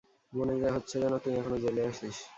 মনে হচ্ছে যেন, তুই এখনো জেলে আছিস।